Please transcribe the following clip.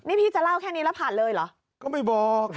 นี่พี่จะเล่าแค่นี้แล้วผ่านเลยเหรอก็ไม่บอก